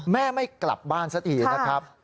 แม่ไม่กลับบ้านสักทีนะครับ